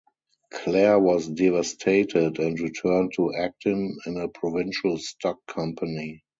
Clare was devastated, and returned to acting in a provincial stock company.